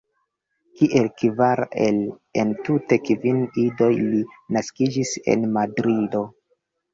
Kiel kvara el entute kvin idoj li naskiĝis en Madrido.